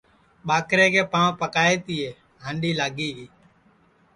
ٻاکرے کے پانٚؤ پکائے تیے ھانٚڈی لاگی گی